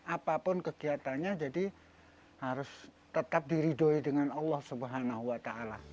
apapun kegiatannya jadi harus tetap diridoi dengan allah swt